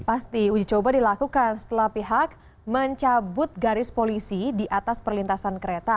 pasti uji coba dilakukan setelah pihak mencabut garis polisi di atas perlintasan kereta